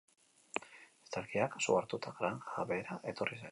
Estalkiak su hartuta, granja behera etorri zen.